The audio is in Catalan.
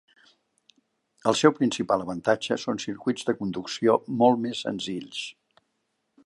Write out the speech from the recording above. El seu principal avantatge són circuits de conducció molt més senzills.